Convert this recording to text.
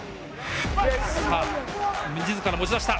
さあ自ら持ち出した。